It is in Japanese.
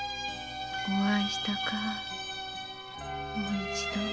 お会いしたかもう一度。